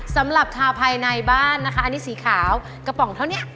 สำหรับทาภายในบ้านนะคะอันนี้สีขาวกระป๋องเท่านี้